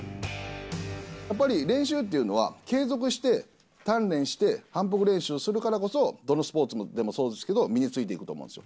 やっぱり練習っていうのは、継続して、鍛錬して、反復練習をするからこそ、どのスポーツでもそうですけど身についていくと思うんですよ。